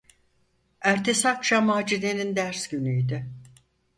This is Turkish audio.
Ertesi akşam Macide’nin ders günüydü.